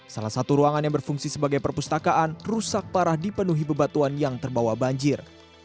salah satu ruangan yang berfungsi sebagai perpustakaan rusak parah dipenuhi bebatuan yang terbawa banjir